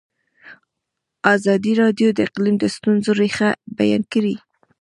ازادي راډیو د اقلیم د ستونزو رېښه بیان کړې.